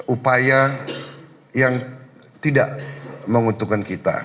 upaya yang tidak menguntungkan kita